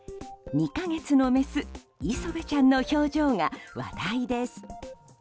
２か月のメスいそべちゃんの表情が話題です。